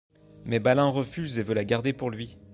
Mais Balin refuse et veut la garder pour lui.